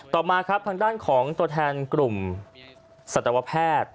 ต่อมาครับทางด้านของตัวแทนกลุ่มสัตวแพทย์